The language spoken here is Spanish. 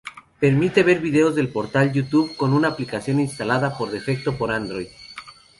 Permite ver vídeos del portal YouTube con una aplicación instalada por defecto por Android.